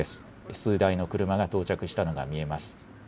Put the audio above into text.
数台の車が到着したのが見えます。